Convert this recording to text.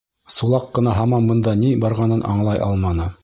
Сулаҡ ҡына һаман бында ни барғанын аңлай алманы: